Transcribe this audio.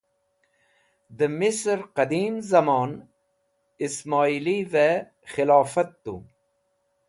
De Misr Qadeem Zamon Ismoilive Khilofat Tu